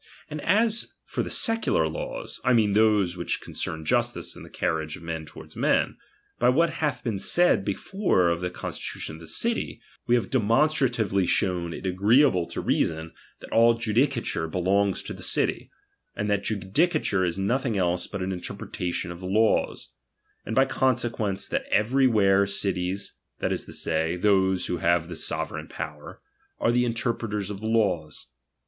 And as for the secular laws, (I mean those which concern justice and the carriage of men towards men), by what hath been said be fore of the constitution of a city, we have demon stratively showed it agreeable to reason, that all RELIGION. 221 judicature belougs to the city ; auti that judlca c ture is nothing else but an interpretation of the laws ; aud by consequence, that every where cities, nm that is to say, those who have the sovereign power, ^Ij are the interpreters of the iatcs.